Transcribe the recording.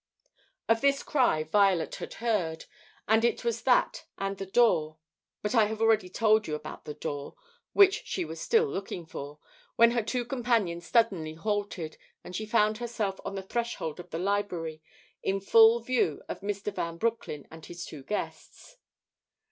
Of this cry Violet had heard, and it was that and the door But I have already told you about the door which she was still looking for, when her two companions suddenly halted, and she found herself on the threshold of the library, in full view of Mr. Van Broecklyn and his two guests.